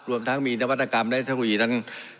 รวมทั้งมีนวัตรกรรมและธรรมดีนั้น